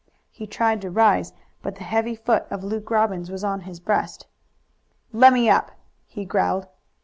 He tried to rise, but the heavy foot of Luke Robbins was on his breast. "Let me up!" he growled.